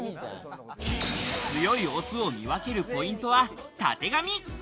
強いオスを見分けるポイントはたてがみ。